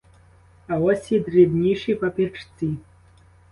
А ось і дрібніші папірці.